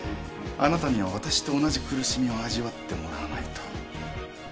あなたには私と同じ苦しみを味わってもらわないと。